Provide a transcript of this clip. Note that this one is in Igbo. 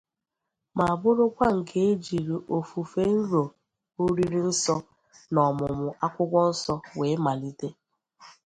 ma bụrụkwa nke e jiri ofufènrò oriri nsọ na ọmụmụ akwụkwọnsọ wee malite